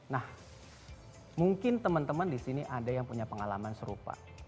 nah mungkin teman teman di sini ada yang punya pengalaman serupa